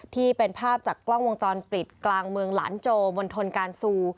ที่เป็นภาพจากกล้องวงจรปิดกลางเมืองหลานโจมณฑลการซู